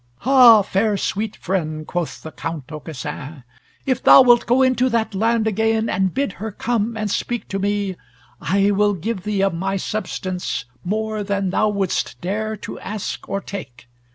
"Ha! fair sweet friend," quoth the Count Aucassin, "if thou wilt go into that land again, and bid her come and speak to me, I will give thee of my substance, more than thou wouldst dare to ask or take.